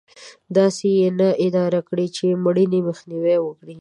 داسې یې نه دي اداره کړې چې د مړینې مخنیوی وکړي.